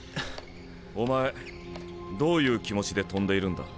お前どういう気持ちで跳んでいるんだ。